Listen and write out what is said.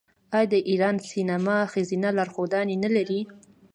آیا د ایران سینما ښځینه لارښودانې نلري؟